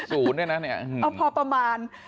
๐ด้วยนะเนี่ยอืมเอาพอประมาณ